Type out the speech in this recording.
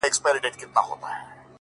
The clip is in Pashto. o اوس سپوږمۍ نسته اوس رڼا نلرم؛